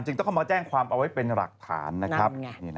ต้องเข้ามาแจ้งความเอาไว้เป็นหลักฐานนะครับ